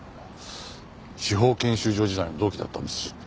司法研修所時代の同期だったんです諸星判事とは。